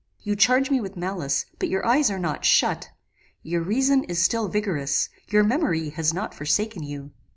You charge me with malice; but your eyes are not shut; your reason is still vigorous; your memory has not forsaken you.